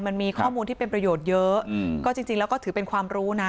มันมีข้อมูลที่เป็นประโยชน์เยอะก็จริงแล้วก็ถือเป็นความรู้นะ